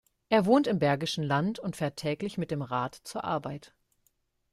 Er wohnt im Bergischen Land und fährt täglich mit dem Rad zur Arbeit.